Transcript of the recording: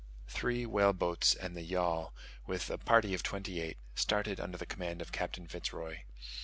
Three whale boats and the yawl, with a party of twenty eight, started under the command of Captain Fitz Roy.